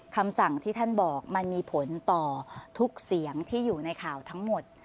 คำสั่งที่ท่านบอกมันมีผลต่อทุกเสียงที่อยู่ในข่าวทั้งหมด